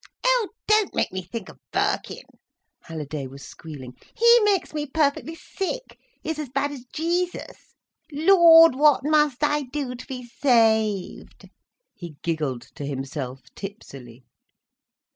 "Oh, don't make me think of Birkin," Halliday was squealing. "He makes me perfectly sick. He is as bad as Jesus. 'Lord, what must I do to be saved!'" He giggled to himself tipsily.